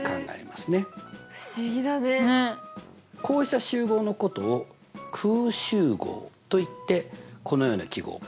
こうした集合のことを空集合といってこのような記号